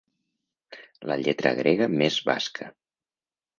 La lletra grega més basca.